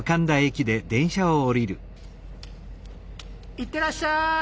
いってらっしゃい！